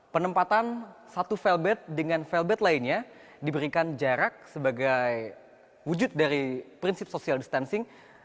penempatan satu felbet dengan felbet lainnya diberikan jarak sebagai wujud dari prinsip social distancing